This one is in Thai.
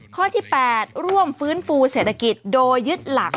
ข้อที่๘ร่วมฟื้นฟูเศรษฐกิจโดยยึดหลัก